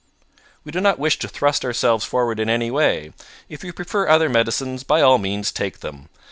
We do not wish to thrust ourselves forward in any way. If you prefer other medicines, by all means take them.